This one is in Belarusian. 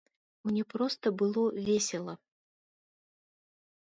Мне проста было весела.